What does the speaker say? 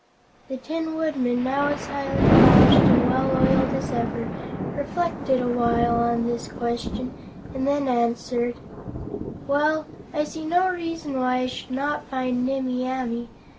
The Tin Woodman, now as highly polished and well oiled as ever, reflected a while on this question and then answered: "Well, I see no reason why I should not find Nimmie Amee.